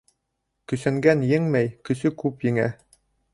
Көсәнгән еңмәй, көсө күп еңә.